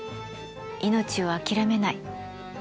命を諦めない。